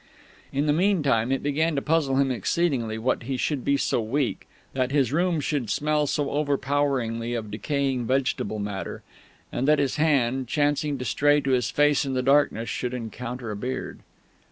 In the meantime it began to puzzle him exceedingly what he should be so weak, that his room should smell so overpoweringly of decaying vegetable matter, and that his hand, chancing to stray to his face in the darkness, should encounter a beard.